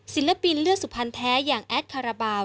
ศิลปินเลือดสุพรรณแท้อย่างแอดคาราบาล